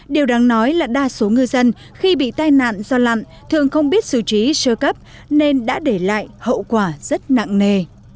điều đáng nói là đa số ngư dân khi bị tai nạn do lặn thường không biết xử trí sơ cấp nên đã để lại hậu quả rất nặng nề